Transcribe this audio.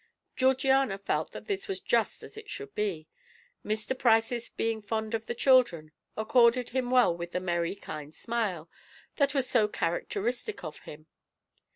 Georgiana felt that this was just as it should be; Mr. Price's being fond of the children accorded him well with the "merry, kind smile" that was so characteristic of him.